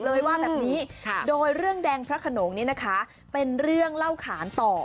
ว่าแบบนี้โดยเรื่องแดงพระขนงนี้นะคะเป็นเรื่องเล่าขานต่อ